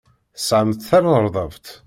Tesɛamt tanerdabt?